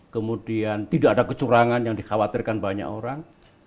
kemudian tidak ada kecurangan yang dikhawatirkan banyak orang